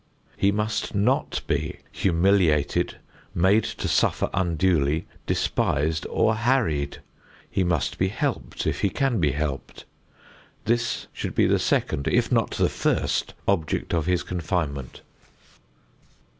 He must not be humiliated, made to suffer unduly, despised or harried. He must be helped if he can be helped. This should be the second, if not the first object of his confinement.